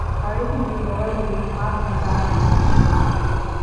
اړیکې جوړول د اعتماد فضا رامنځته کوي.